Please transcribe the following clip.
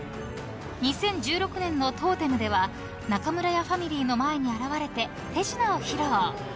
［２０１６年の『トーテム』では中村屋ファミリーの前に現れて手品を披露］